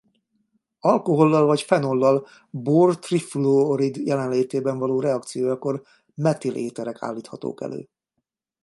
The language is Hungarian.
Alkohollal vagy fenollal bór-trifluorid jelenlétében való reakciójakor metil-éterek állíthatók elő.